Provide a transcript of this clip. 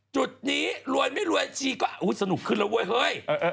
จุดนี้รวยไม่รวยชีก็สนุกขึ้นแล้วเว้ยเฮ้ย